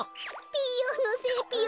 ピーヨンのせいぴよ。